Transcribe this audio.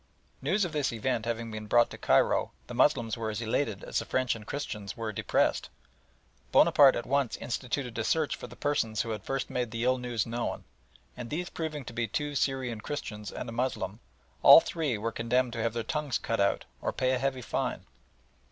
News of this event having been brought to Cairo, the Moslems were as elated as the French and Christians were depressed. Bonaparte at once instituted a search for the persons who had first made the ill news known, and these proving to be two Syrian Christians and a Moslem, all three were condemned to have their tongues cut out or pay a heavy fine.